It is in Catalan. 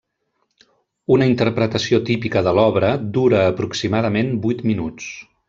Una interpretació típica de l'obra dura aproximadament vuit minuts.